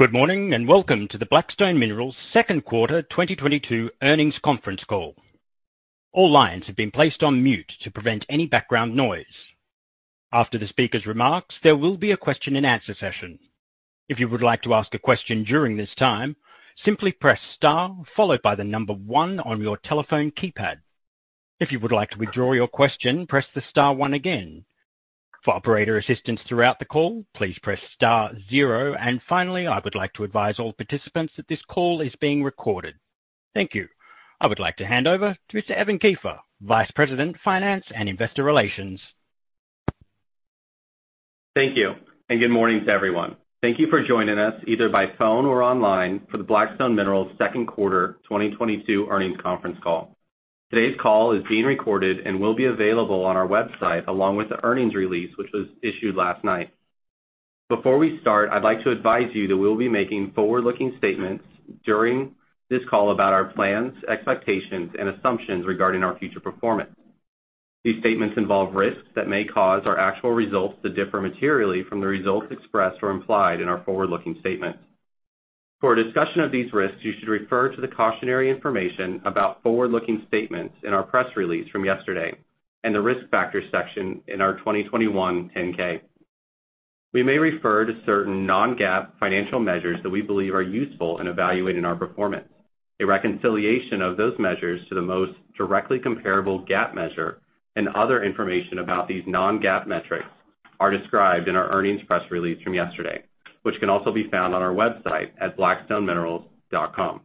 Good morning, and welcome to the Black Stone Minerals Second Quarter 2022 Earnings Conference Call. All lines have been placed on mute to prevent any background noise. After the speaker's remarks, there will be a question-and-answer session. If you would like to ask a question during this time, simply press star followed by the number one on your telephone keypad. If you would like to withdraw your question, press the star one again. For operator assistance throughout the call, please press star zero. Finally, I would like to advise all participants that this call is being recorded. Thank you. I would like to hand over to Mr. Evan Kiefer, Vice President, Finance and Investor Relations. Thank you, and good morning to everyone. Thank you for joining us, either by phone or online, for the Black Stone Minerals Second Quarter 2022 Earnings Conference Call. Today's call is being recorded and will be available on our website along with the earnings release which was issued last night. Before we start, I'd like to advise you that we'll be making forward-looking statements during this call about our plans, expectations, and assumptions regarding our future performance. These statements involve risks that may cause our actual results to differ materially from the results expressed or implied in our forward-looking statements. For a discussion of these risks, you should refer to the cautionary information about forward-looking statements in our press release from yesterday and the Risk Factors section in our 2021 10-K. We may refer to certain non-GAAP financial measures that we believe are useful in evaluating our performance. A reconciliation of those measures to the most directly comparable GAAP measure and other information about these non-GAAP metrics are described in our earnings press release from yesterday, which can also be found on our website at blackstoneminerals.com.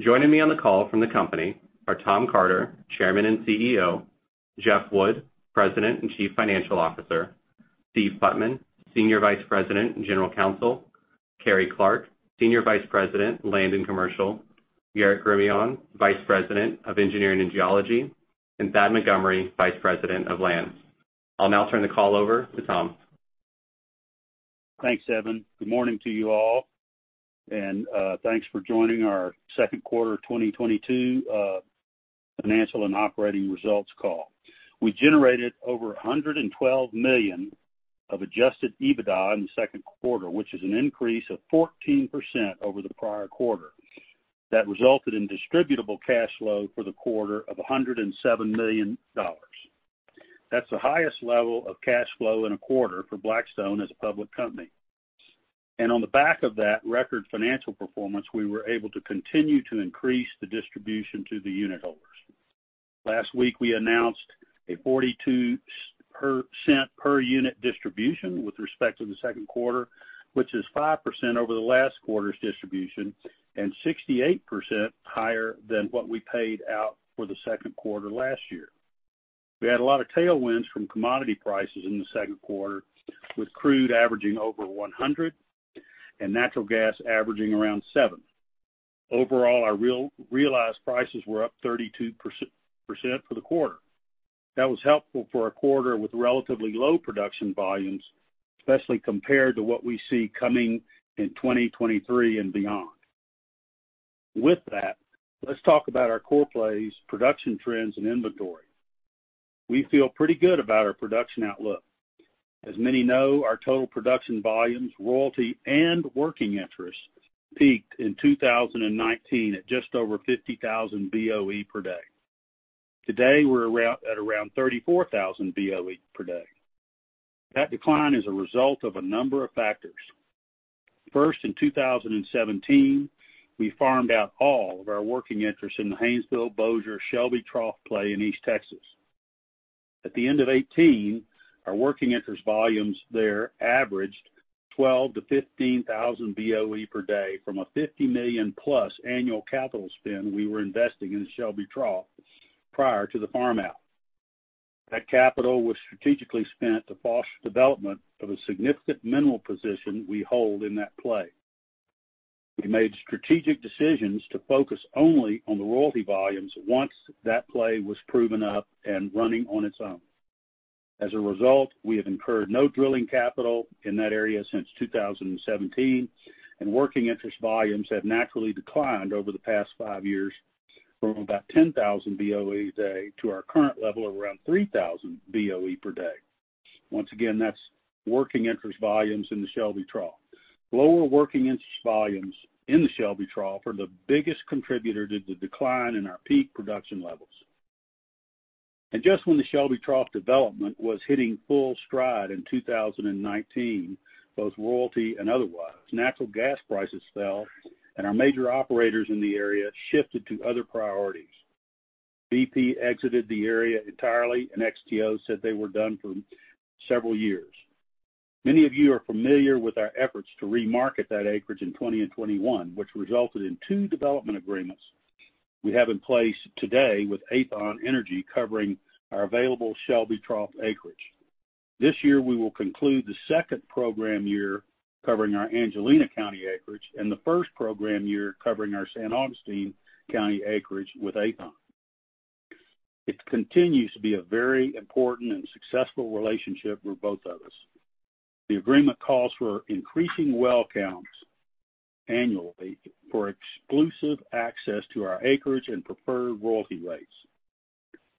Joining me on the call from the company are Tom Carter, Chairman and CEO, Jeff Wood, President and Chief Financial Officer, Steve Putman, Senior Vice President and General Counsel, Carrie Clark, Senior Vice President, Land and Commercial, Garrett Gremillion, Vice President of Engineering and Geology, and Thad Montgomery, Vice President of Lands. I'll now turn the call over to Tom. Thanks, Evan. Good morning to you all, and thanks for joining our second quarter 2022 financial and operating results call. We generated over 112 million of Adjusted EBITDA in the second quarter, which is an increase of 14% over the prior quarter. That resulted in distributable cash flow for the quarter of $107 million. That's the highest level of cash flow in a quarter for Black Stone Minerals as a public company. On the back of that record financial performance, we were able to continue to increase the distribution to the unitholders. Last week, we announced a $0.42 per unit distribution with respect to the second quarter, which is 5% over the last quarter's distribution and 68% higher than what we paid out for the second quarter last year. We had a lot of tailwinds from commodity prices in the second quarter, with crude averaging over 100 and natural gas averaging around seven. Overall, our realized prices were up 32% for the quarter. That was helpful for a quarter with relatively low production volumes, especially compared to what we see coming in 2023 and beyond. With that, let's talk about our core plays, production trends and inventory. We feel pretty good about our production outlook. As many know, our total production volumes, royalty and working interest peaked in 2019 at just over 50,000 BOE per day. Today, we're around 34,000 BOE per day. That decline is a result of a number of factors. First, in 2017, we farmed out all of our working interests in the Haynesville-Bossier Shelby Trough play in East Texas. At the end of 2018, our working interest volumes there averaged 12,000 to 15,000 BOE per day from a $50 million+ annual capital spend we were investing in the Shelby Trough prior to the farm out. That capital was strategically spent to foster development of a significant mineral position we hold in that play. We made strategic decisions to focus only on the royalty volumes once that play was proven up and running on its own. As a result, we have incurred no drilling capital in that area since 2017, and working interest volumes have naturally declined over the past five years from about 10,000 BOE a day to our current level of around 3,000 BOE per day. Once again, that's working interest volumes in the Shelby Trough. Lower working interest volumes in the Shelby Trough are the biggest contributor to the decline in our peak production levels. Just when the Shelby Trough development was hitting full stride in 2019, both royalty and otherwise, natural gas prices fell and our major operators in the area shifted to other priorities. BP exited the area entirely and XTO said they were done for several years. Many of you are familiar with our efforts to remarket that acreage in 2020 and 2021, which resulted in two development agreements we have in place today with Aethon Energy covering our available Shelby Trough acreage. This year, we will conclude the second program year covering our Angelina County acreage and the first program year covering our San Augustine County acreage with Aethon. It continues to be a very important and successful relationship for both of us. The agreement calls for increasing well counts annually for exclusive access to our acreage and preferred royalty rates.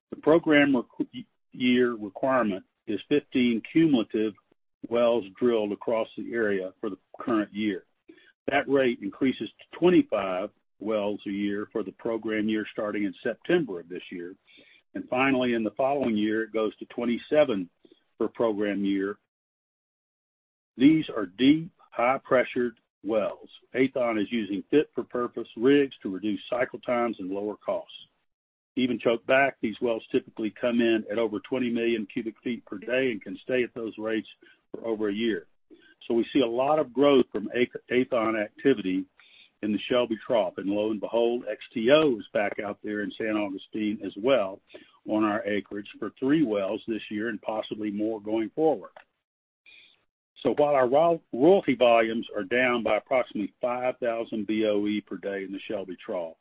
The program per-year requirement is 15 cumulative wells drilled across the area for the current year. That rate increases to 25 wells a year for the program year starting in September of this year. Finally, in the following year, it goes to 27 per program year. These are deep, high-pressured wells. Aethon is using fit-for-purpose rigs to reduce cycle times and lower costs. Even choke back, these wells typically come in at over 20 million cubic feet per day and can stay at those rates for over a year. We see a lot of growth from Aethon activity in the Shelby Trough, and lo and behold, XTO is back out there in San Augustine as well on our acreage for three wells this year and possibly more going forward. While our royalty volumes are down by approximately 5,000 BOE per day in the Shelby Trough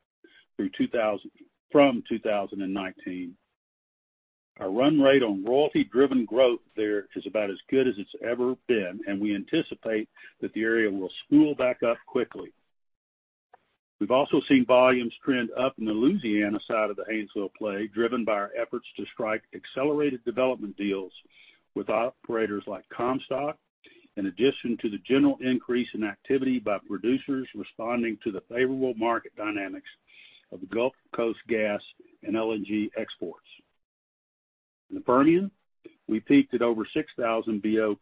from 2019, our run rate on royalty-driven growth there is about as good as it's ever been, and we anticipate that the area will spool back up quickly. We've also seen volumes trend up in the Louisiana side of the Haynesville Play, driven by our efforts to strike accelerated development deals with operators like Comstock, in addition to the general increase in activity by producers responding to the favorable market dynamics of Gulf Coast gas and LNG exports. In the Permian, we peaked at over 6,000 BOE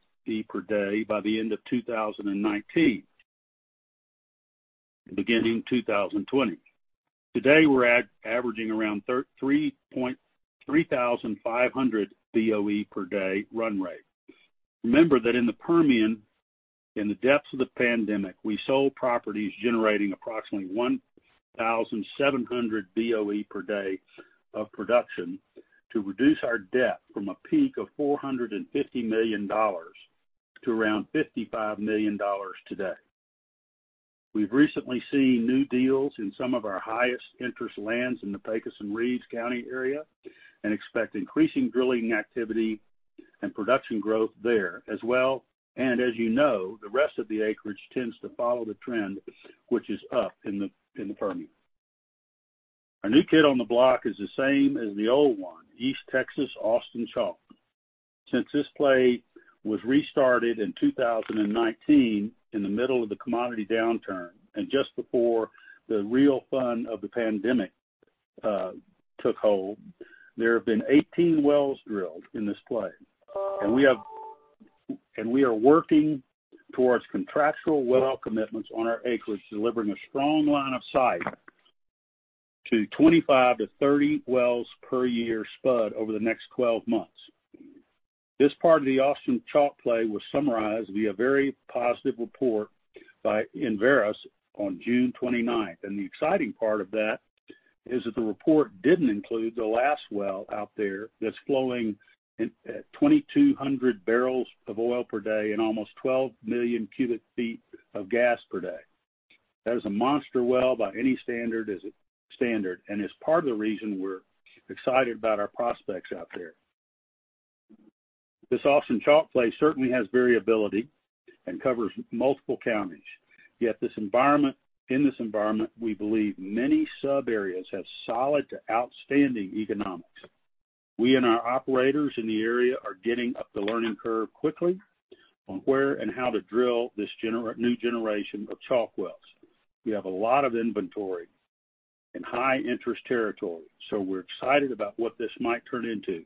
per day by the end of 2019, beginning 2020. Today, we're at averaging around 3,500 BOE per day run rate. Remember that in the Permian, in the depths of the pandemic, we sold properties generating approximately 1,700 BOE per day of production to reduce our debt from a peak of $450 million to around $55 million today. We've recently seen new deals in some of our highest interest lands in the Pecos and Reeves County area and expect increasing drilling activity and production growth there as well. As you know, the rest of the acreage tends to follow the trend which is up in the Permian. Our new kid on the block is the same as the old one, East Texas Austin Chalk. Since this play was restarted in 2019, in the middle of the commodity downturn and just before the real fun of the pandemic took hold, there have been 18 wells drilled in this play. We are working towards contractual well commitments on our acreage, delivering a strong line of sight to 25 to 30 wells per year spud over the next 12 months. This part of the Austin Chalk Play was summarized via very positive report by Enverus on June 29. The exciting part of that is that the report didn't include the last well out there that's flowing at 2,200 BOE per day and almost 12 million cubic feet of gas per day. That is a monster well by any standard as it stands, and is part of the reason we're excited about our prospects out there. This Austin Chalk play certainly has variability and covers multiple counties. In this environment, we believe many subareas have solid to outstanding economics. We and our operators in the area are getting up the learning curve quickly on where and how to drill this new generation of chalk wells. We have a lot of inventory in high-interest territory, so we're excited about what this might turn into,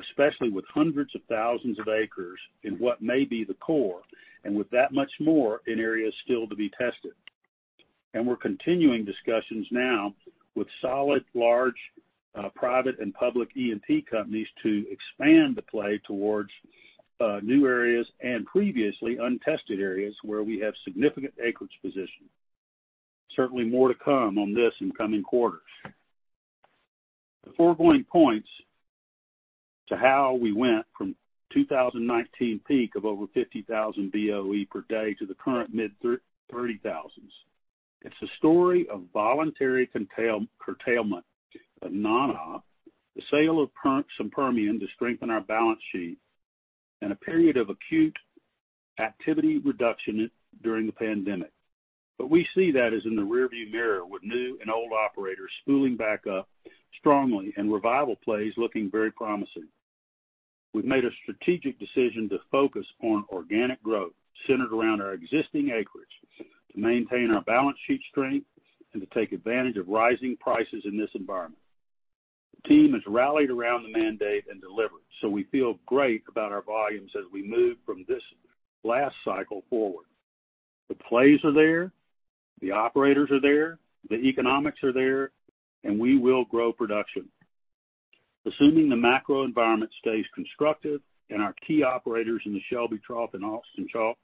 especially with hundreds of thousands of acres in what may be the core, and with that much more in areas still to be tested. We're continuing discussions now with solid, large, private and public E&P companies to expand the play towards new areas and previously untested areas where we have significant acreage position. Certainly more to come on this in coming quarters. The foregoing points to how we went from 2019 peak of over 50,000 BOE per day to the current mid-30,000s. It's a story of voluntary curtailment of non-op, the sale of some Permian to strengthen our balance sheet, and a period of acute activity reduction during the pandemic. We see that as in the rearview mirror with new and old operators spooling back up strongly and revival plays looking very promising. We've made a strategic decision to focus on organic growth centered around our existing acreage to maintain our balance sheet strength and to take advantage of rising prices in this environment. The team has rallied around the mandate and delivered, so we feel great about our volumes as we move from this last cycle forward. The plays are there, the operators are there, the economics are there, and we will grow production. Assuming the macro environment stays constructive and our key operators in the Shelby Trough and Austin Chalk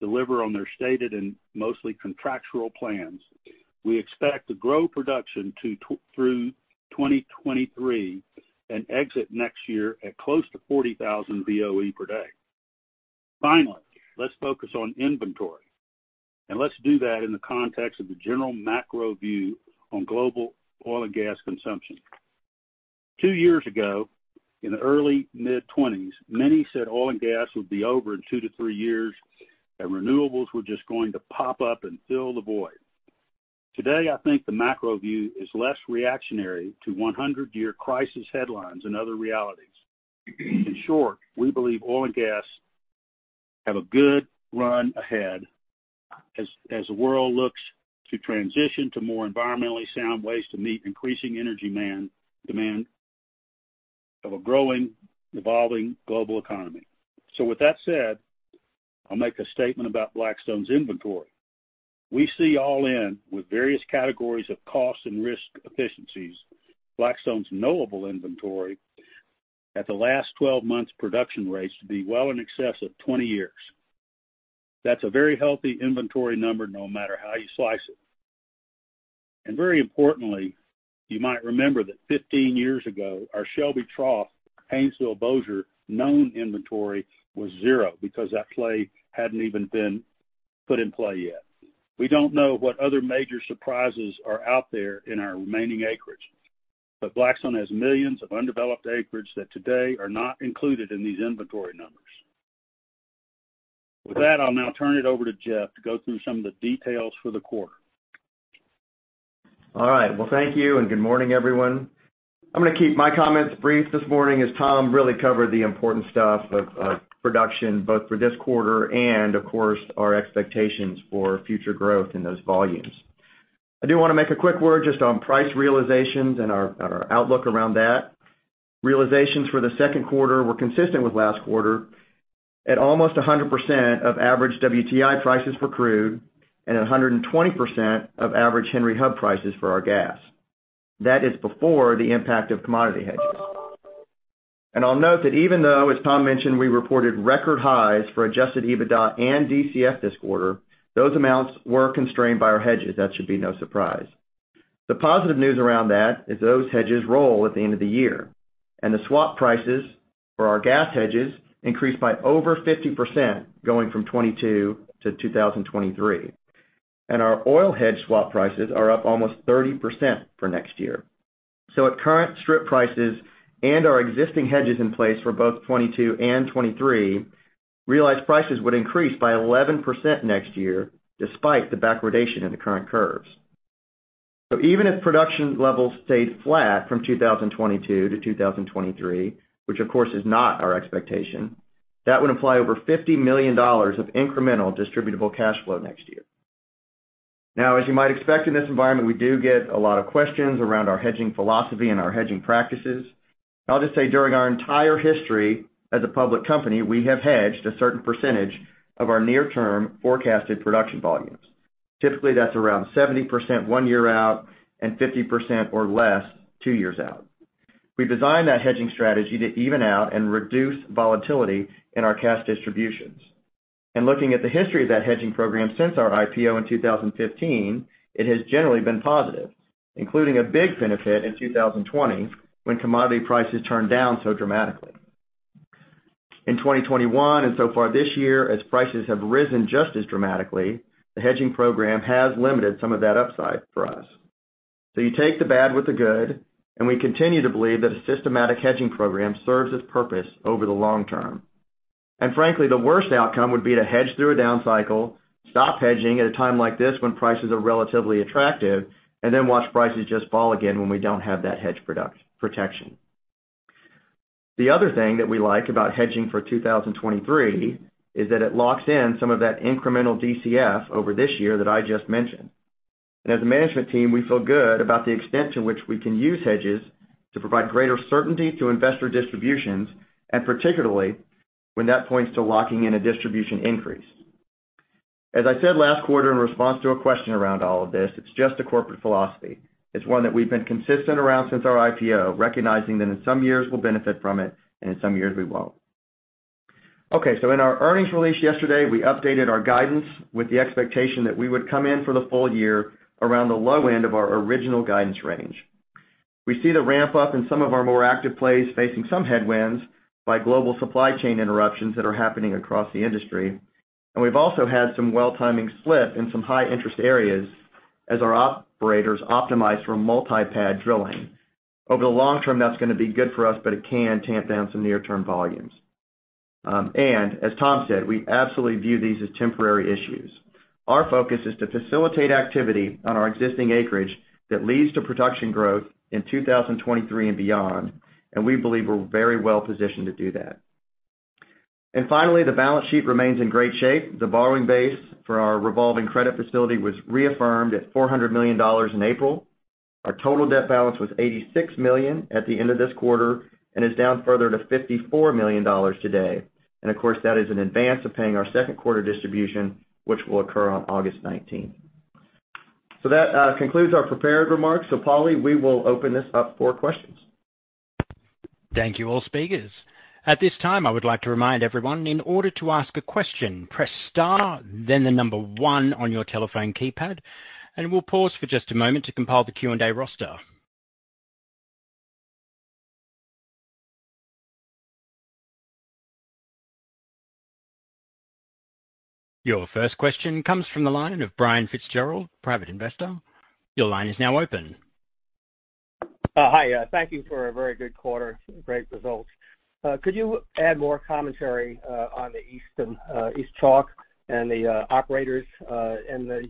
deliver on their stated and mostly contractual plans, we expect to grow production through 2023 and exit next year at close to 40,000 BOE per day. Finally, let's focus on inventory, and let's do that in the context of the general macro view on global oil and gas consumption. Two years ago, in the early mid-20s, many said oil and gas would be over in two to three years, and renewables were just going to pop up and fill the void. Today, I think the macro view is less reactionary to 100-year crisis headlines and other realities. In short, we believe oil and gas have a good run ahead as the world looks to transition to more environmentally sound ways to meet increasing energy demand of a growing, evolving global economy. With that said, I'll make a statement about Black Stone's inventory. We see all in with various categories of cost and risk efficiencies. Black Stone's knowable inventory at the last 12 months production rates to be well in excess of 20 years. That's a very healthy inventory number, no matter how you slice it. Very importantly, you might remember that 15 years ago, our Shelby Trough, Haynesville-Bossier known inventory was zero because that play hadn't even been put in play yet. We don't know what other major surprises are out there in our remaining acreage, but Black Stone has millions of undeveloped acreage that today are not included in these inventory numbers. With that, I'll now turn it over to Jeff to go through some of the details for the quarter. All right. Well, thank you, and good morning, everyone. I'm gonna keep my comments brief this morning as Tom really covered the important stuff of production both for this quarter and, of course, our expectations for future growth in those volumes. I do wanna make a quick word just on price realizations and our outlook around that. Realizations for the second quarter were consistent with last quarter at almost 100% of average WTI prices for crude and 120% of average Henry Hub prices for our gas. That is before the impact of commodity hedges. I'll note that even though, as Tom mentioned, we reported record highs for Adjusted EBITDA and DCF this quarter, those amounts were constrained by our hedges. That should be no surprise. The positive news around that is those hedges roll at the end of the year, and the swap prices for our gas hedges increased by over 50% going from 2022 to 2023. Our oil hedge swap prices are up almost 30% for next year. At current strip prices and our existing hedges in place for both 2022 and 2023, realized prices would increase by 11% next year despite the backwardation in the current curves. Even if production levels stayed flat from 2022 to 2023, which of course is not our expectation, that would imply over $50 million of incremental distributable cash flow next year. Now, as you might expect in this environment, we do get a lot of questions around our hedging philosophy and our hedging practices. I'll just say, during our entire history as a public company, we have hedged a certain percentage of our near-term forecasted production volumes. Typically, that's around 70% one year out and 50% or less two years out. We designed that hedging strategy to even out and reduce volatility in our cash distributions. Looking at the history of that hedging program since our IPO in 2015, it has generally been positive, including a big benefit in 2020, when commodity prices turned down so dramatically. In 2021 and so far this year, as prices have risen just as dramatically, the hedging program has limited some of that upside for us. You take the bad with the good, and we continue to believe that a systematic hedging program serves its purpose over the long term. Frankly, the worst outcome would be to hedge through a down cycle, stop hedging at a time like this when prices are relatively attractive, and then watch prices just fall again when we don't have that hedge product, protection. The other thing that we like about hedging for 2023 is that it locks in some of that incremental DCF over this year that I just mentioned. As a management team, we feel good about the extent to which we can use hedges to provide greater certainty to investor distributions, and particularly when that points to locking in a distribution increase. As I said last quarter in response to a question around all of this, it's just a corporate philosophy. It's one that we've been consistent around since our IPO, recognizing that in some years we'll benefit from it and in some years we won't. Okay, in our earnings release yesterday, we updated our guidance with the expectation that we would come in for the full year around the low end of our original guidance range. We see the ramp up in some of our more active plays facing some headwinds by global supply chain interruptions that are happening across the industry. We've also had some well timing slip in some high interest areas as our operators optimize for multi-pad drilling. Over the long term, that's gonna be good for us, but it can tamp down some near-term volumes. As Tom said, we absolutely view these as temporary issues. Our focus is to facilitate activity on our existing acreage that leads to production growth in 2023 and beyond, and we believe we're very well positioned to do that. Finally, the balance sheet remains in great shape. The borrowing base for our revolving credit facility was reaffirmed at $400 million in April. Our total debt balance was $86 million at the end of this quarter and is down further to $54 million today. Of course, that is in advance of paying our second quarter distribution, which will occur on August nineteenth. That concludes our prepared remarks. Paulie, we will open this up for questions. Thank you, all speakers. At this time, I would like to remind everyone, in order to ask a question, press star then the number one on your telephone keypad, and we'll pause for just a moment to compile the Q&A roster. Your first question comes from the line of Brian Fitzgerald, Private Investor. Your line is now open. Hi. Thank you for a very good quarter, great results. Could you add more commentary on the East Chalk and the operators in the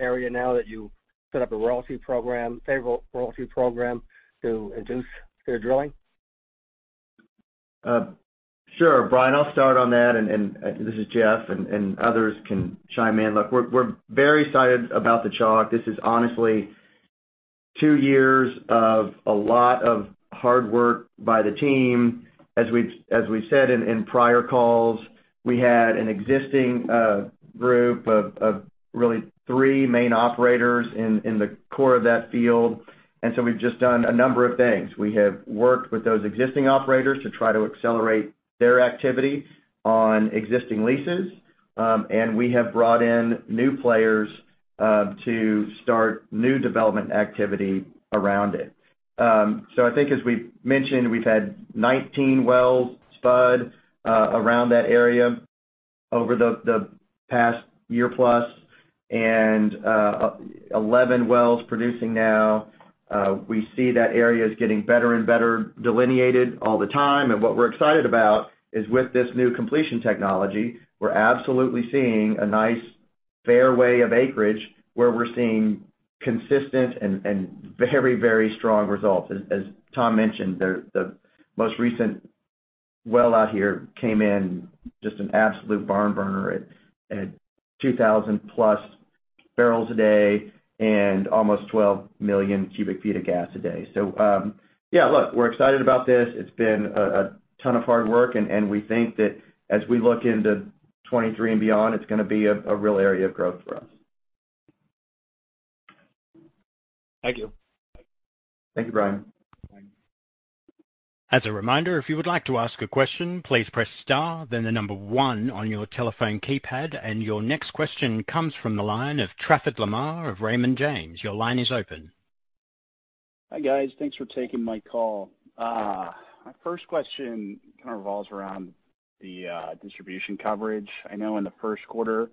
area now that you set up a royalty program, favorable royalty program to induce their drilling? Sure, Brian. I'll start on that and this is Jeff, and others can chime in. Look, we're very excited about the Chalk. This is honestly two years of a lot of hard work by the team. As we said in prior calls, we had an existing group of really three main operators in the core of that field. We've just done a number of things. We have worked with those existing operators to try to accelerate their activity on existing leases, and we have brought in new players to start new development activity around it. I think as we've mentioned, we've had 19 wells spud around that area over the past year plus and 11 wells producing now. We see that area is getting better and better delineated all the time. What we're excited about is with this new completion technology, we're absolutely seeing a nice fairway of acreage where we're seeing consistent and very strong results. As Tom mentioned, the most recent well out here came in just an absolute barn burner at 2,000+ bpd and almost 12 million cubic feet of gas a day. Yeah, look, we're excited about this. It's been a ton of hard work and we think that as we look into 2023 and beyond, it's gonna be a real area of growth for us. Thank you. Thank you, Brian. As a reminder, if you would like to ask a question, please press star, then the number one on your telephone keypad. Your next question comes from the line of Trafford Lamar of Raymond James. Your line is open. Hi, guys. Thanks for taking my call. My first question kind of revolves around the distribution coverage. I know in the first quarter,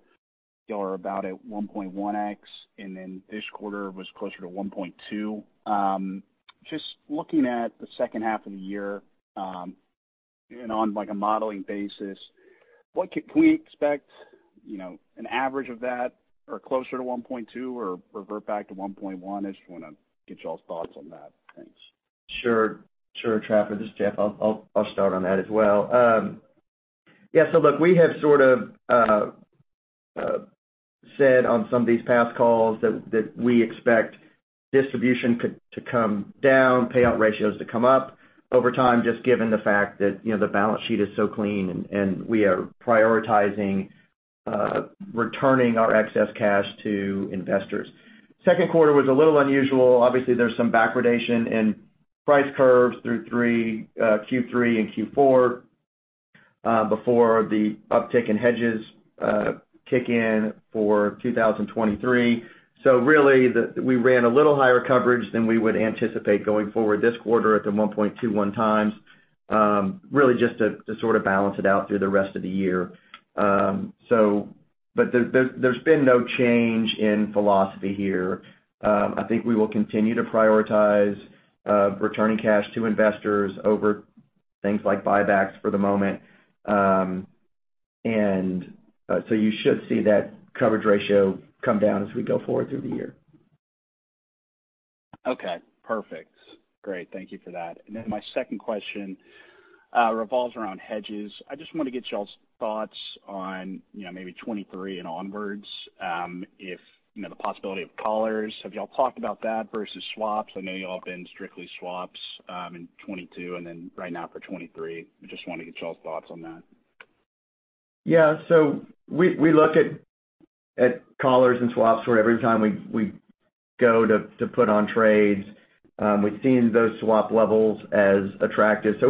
y'all are about at 1.1x, and then this quarter was closer to 1.2. Just looking at the second half of the year, and on like a modeling basis, what will we expect, you know, an average of that or closer to 1.2 or revert back to 1.1? I just wanna get y'all's thoughts on that. Thanks. Sure. Sure, Trafford. This is Jeff. I'll start on that as well. Yeah, so look, we have sort of said on some of these past calls that we expect coverage to come down, payout ratios to come up over time, just given the fact that, you know, the balance sheet is so clean and we are prioritizing returning our excess cash to investors. Second quarter was a little unusual. Obviously, there's some backwardation in price curves through Q3 and Q4 before the uptick in hedges kick in for 2023. So really, we ran a little higher coverage than we would anticipate going forward this quarter at the 1.21x, really just to sort of balance it out through the rest of the year. There's been no change in philosophy here. I think we will continue to prioritize returning cash to investors over things like buybacks for the moment. You should see that coverage ratio come down as we go forward through the year. Okay. Perfect. Great. Thank you for that. My second question revolves around hedges. I just wanna get y'all's thoughts on, you know, maybe 2023 and onwards, you know, the possibility of collars. Have y'all talked about that versus swaps? I know y'all have been strictly swaps in 2022 and then right now for 2023. I just wanna get y'all's thoughts on that. Yeah. We look at collars and swaps for every time we go to put on trades. We've seen those swap levels as attractive.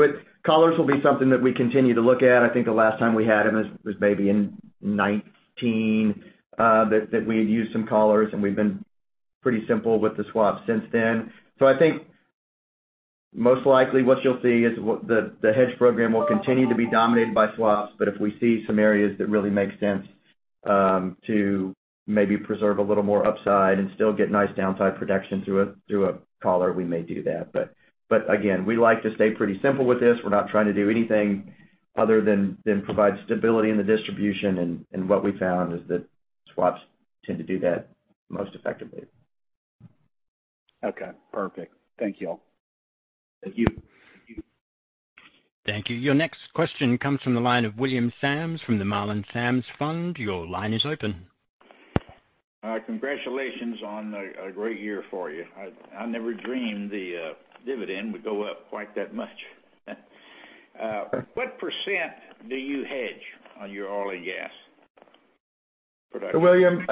Collars will be something that we continue to look at. I think the last time we had them was maybe in 2019 that we had used some collars, and we've been pretty simple with the swaps since then. I think most likely what you'll see is the hedge program will continue to be dominated by swaps. If we see some areas that really make sense to maybe preserve a little more upside and still get nice downside protection through a collar, we may do that. Again, we like to stay pretty simple with this. We're not trying to do anything other than provide stability in the distribution. What we found is that swaps tend to do that most effectively. Okay. Perfect. Thank you all. Thank you. Thank you. Your next question comes from the line of William Sams from the Marlin Sams Fund. Your line is open. Congratulations on a great year for you. I never dreamed the dividend would go up quite that much. What percent do you hedge on your oil and gas production? William,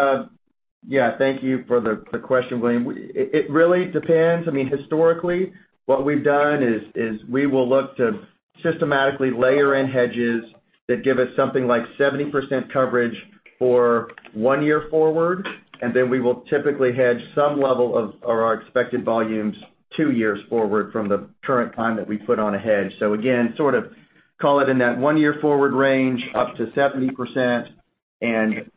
yeah, thank you for the question, William. It really depends. I mean, historically, what we've done is we will look to systematically layer in hedges that give us something like 70% coverage for one year forward, and then we will typically hedge some level of our expected volumes two years forward from the current time that we put on a hedge. Again, sort of call it in that one-year forward range up to 70% and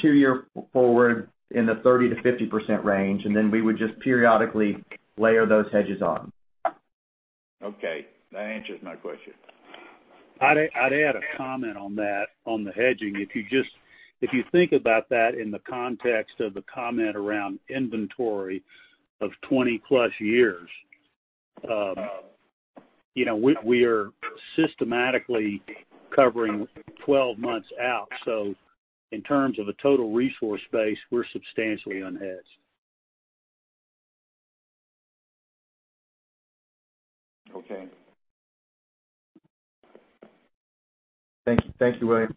two-year forward in the 30%-50% range, and then we would just periodically layer those hedges on. Okay. That answers my question. I'd add a comment on that, on the hedging. If you think about that in the context of the comment around inventory of 20+ years, you know, we are systematically covering 12 months out. In terms of a total resource base, we're substantially unhedged. Okay. Thank you. Thank you, William.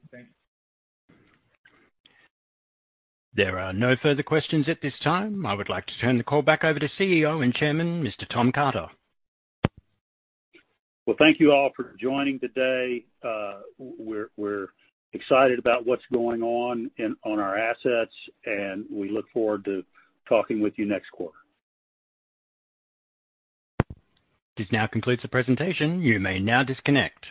There are no further questions at this time. I would like to turn the call back over to CEO and Chairman, Mr. Tom Carter. Well, thank you all for joining today. We're excited about what's going on in, on our assets, and we look forward to talking with you next quarter. This now concludes the presentation. You may now disconnect.